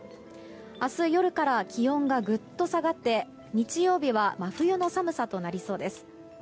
明日夜から気温がグッと下がって日曜日は真冬の寒さとなりそうです。